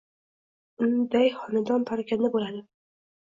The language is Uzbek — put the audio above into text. unday xonadon parokanda bo‘ladi.